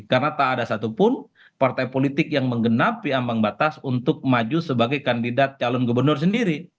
karena tak ada satupun partai politik yang menggenapi ambang batas untuk maju sebagai kandidat calon gubernur sendiri